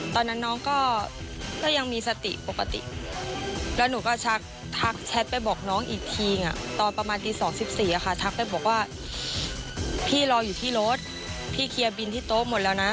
ตอนนั้นน้องก็ยังมีสติปกติแล้วหนูก็ชักแชทไปบอกน้องอีกทีตอนประมาณตี๒๑๔ทักไปบอกว่าพี่รออยู่ที่รถพี่เคลียร์บินที่โต๊ะหมดแล้วนะ